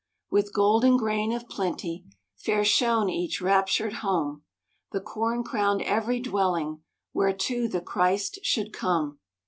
With golden grain of plenty Fair shone each raptured home; The corn crown'd every dwelling Whereto the Christ should come.